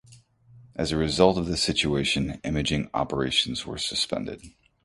As a result of this situation, imaging operations were suspended.